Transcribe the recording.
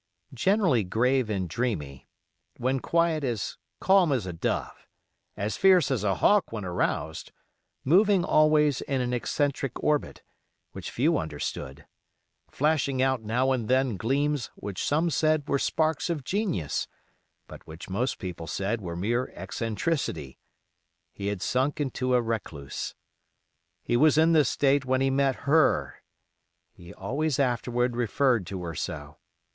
Generally grave and dreamy; when quiet as calm as a dove, as fierce as a hawk when aroused; moving always in an eccentric orbit, which few understood; flashing out now and then gleams which some said were sparks of genius but which most people said were mere eccentricity, he had sunk into a recluse. He was in this state when he met HER. He always afterward referred to her so.